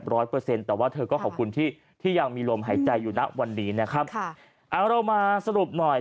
บอกว่าเธอมีลมหายใจอยู่นะวันนี้นะครับเอาเรามาสรุปหน่อย